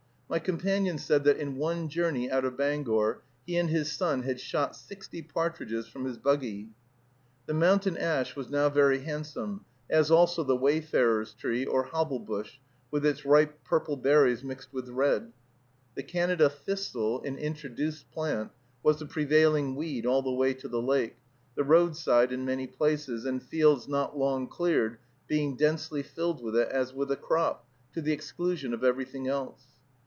My companion said that in one journey out of Bangor he and his son had shot sixty partridges from his buggy. The mountain ash was now very handsome, as also the wayfarer's tree or hobble bush, with its ripe purple berries mixed with red. The Canada thistle, an introduced plant, was the prevailing weed all the way to the lake, the roadside in many places, and fields not long cleared, being densely filled with it as with a crop, to the exclusion of everything else.